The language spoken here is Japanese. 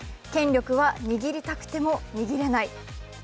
権力は握りたくても握れない。